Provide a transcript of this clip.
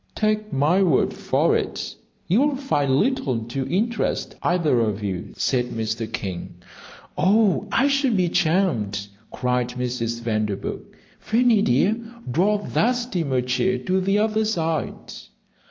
"Take my word for it, you will find little to interest either of you," said Mr. King. "Oh, I should be charmed," cried Mrs. Vanderburgh. "Fanny dear, draw up that steamer chair to the other side."